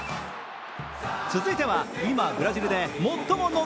続いては、今、ブラジルで最もノ